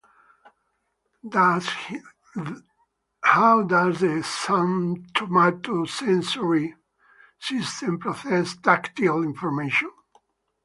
How does the somatosensory system process tactile information?